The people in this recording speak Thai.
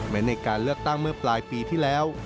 ในการเลือกตั้งเมื่อปลายปีที่แล้ว